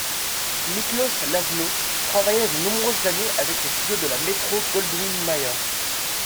Miklos Laszlo travailla de nombreuses années avec les studios de la Metro-Goldwyn-Mayer.